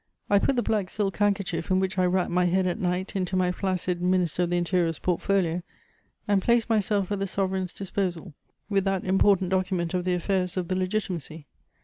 I put the black silk handkerchief in which I wrap my head at night into my flaccid minister of the interior's portfolio, and placed myself at the Sovereign's disposal, with that important document of the affairs of the Legitimacy.